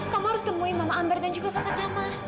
kamu harus nemuin mama ambar dan juga papa tama